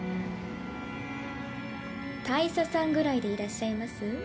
大佐さんぐらいでいらっしゃいます？